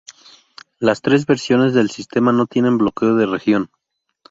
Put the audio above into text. Las tres versiones del sistema no tienen bloqueo de región.